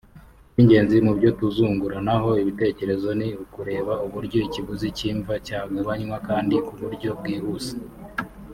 Icy’ingenzi mu byo tuzunguranaho ibitekerezo ni ukureba uburyo ikiguzi cy’imva cyagabanywa kandi ku buryo bwihuse